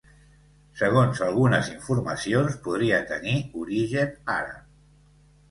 Segons algunes informacions podria tenir origen àrab.